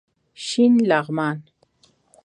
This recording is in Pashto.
شین لغمان